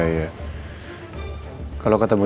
kalau ketemu dulu gue akan cek